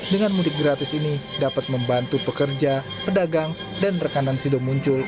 dengan mudik gratis ini dapat membantu pekerja pedagang dan rekanan sido muncul